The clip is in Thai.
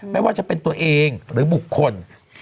ไม่ว่าจะเป็นตัวเองหรือบุคคล